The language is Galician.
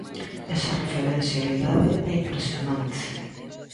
Esa referencialidade é impresionante.